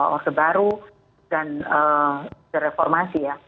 orde baru dan reformasi ya